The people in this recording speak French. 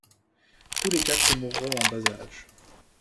Tous les quatre mourront en bas âge.